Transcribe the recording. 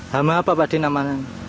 hama apa padi namanya